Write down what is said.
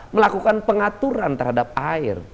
melakukan pengaturan terhadap air